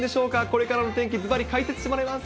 これからの天気、ずばり解説してもらいます。